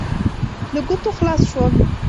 له ګوتو خلاص شوم.